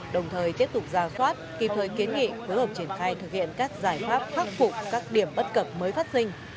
đồng thời tiếp tục ra soát kịp thời kiến nghị phối hợp triển khai thực hiện các giải pháp khắc phục các điểm bất cập mới phát sinh